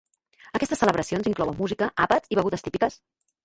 Aquestes celebracions inclouen música, àpats i begudes típiques.